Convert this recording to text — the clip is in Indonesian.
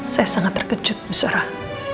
saya sangat terkejut bu sarah